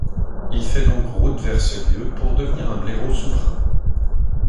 Il fait donc route vers ce lieu pour devenir un blaireau souverain.